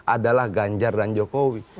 adalah ganjar dan jokowi